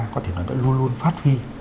có thể nói là luôn luôn phát huy